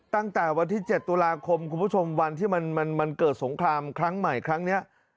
ตั้งแต่วันที่๗ตุลาคมคุณผู้ชมวันที่มันเกิดสงครามครั้งใหม่ครั้งนี้